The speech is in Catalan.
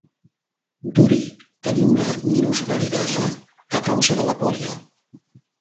Dury tenia una minusvalidesa a causa de la pòlio.